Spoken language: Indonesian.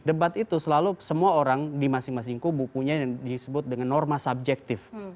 debat itu selalu semua orang di masing masing kubu punya disebut dengan norma subjektif